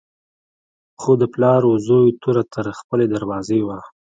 خو د پلار و زوی توره تر خپلې دروازې وه.